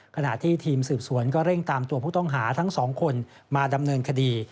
ขนาดที่ทีมสืบสวนเร่งตามตัวพวกต้องหาทั้ง๒คนมาดำเนินคดี